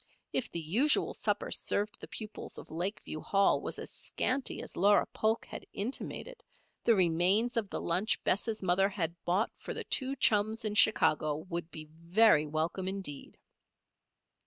If the usual supper served the pupils of Lakeview Hall was as scanty as Laura Polk had intimated, the remains of the lunch Bess' mother had bought for the two chums in Chicago would be very welcome indeed.